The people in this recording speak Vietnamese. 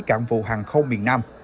cảng vụ hàng không miền nam